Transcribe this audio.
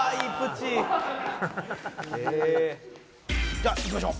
じゃあいきましょう。